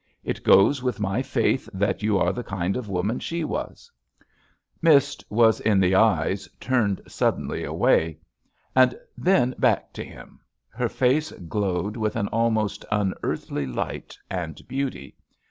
It goes with my faith that you are the kind of woman she wasl" Mist was in the eyes, turned suddenly away, and then back to him. Her face glowed with an almost unearthly light and beauty.